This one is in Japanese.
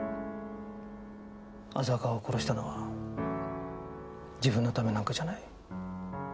浅川を殺したのは自分のためなんかじゃない。